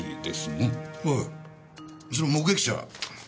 おいその目撃者。